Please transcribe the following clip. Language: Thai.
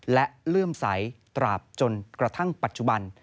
และเลื่อมใสตราบจนกระทั่งปัจจุบัน